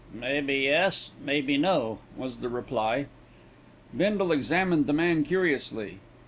"Maybe yes, maybe no," was the reply. Bindle examined the man curiously.